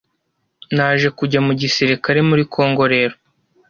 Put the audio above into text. Naje kujya mu gisirikare muri congo rero